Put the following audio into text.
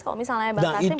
kalau misalnya bang taslim